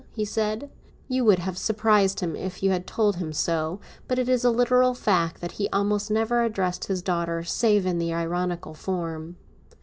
he said. You would have surprised him if you had told him so; but it is a literal fact that he almost never addressed his daughter save in the ironical form.